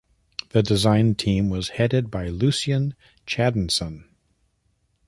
The design team was headed by Lucien Chadenson.